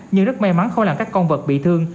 nhưng rất may mắn không làm các con vật bị thương